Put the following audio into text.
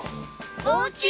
おうち！？